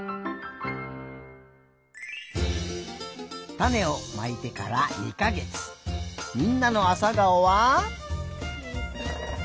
たねをまいてからみんなのあさがおは。